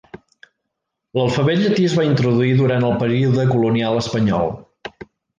L'alfabet llatí es va introduir durant el període colonial espanyol.